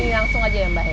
ini langsung aja ya mbak ya